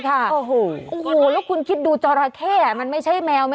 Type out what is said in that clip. เขียนอะไรไปจริง